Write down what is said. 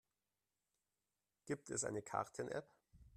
Gibt es eine Karten-App?